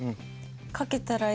書けたらいいね。